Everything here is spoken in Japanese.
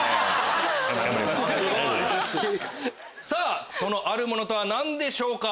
さぁその「あるもの」とは何でしょうか？